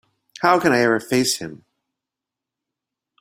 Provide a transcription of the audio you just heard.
How can I ever face him?